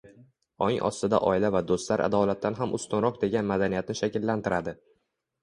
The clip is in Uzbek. ong ostida oila va do‘stlar adolatdan ham ustunroq degan madaniyatni shakllantiradi.